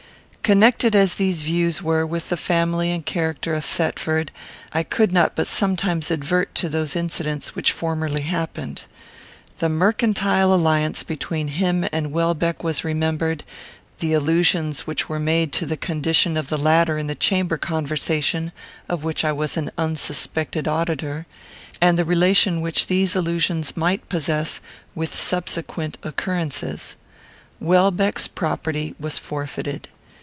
Connected as these views were with the family and character of Thetford, I could not but sometimes advert to those incidents which formerly happened. The mercantile alliance between him and Welbeck was remembered; the allusions which were made to the condition of the latter in the chamber conversation of which I was an unsuspected auditor; and the relation which these allusions might possess with subsequent occurrences. Welbeck's property was forfeited.